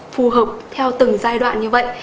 phù hợp theo từng giai đoạn như vậy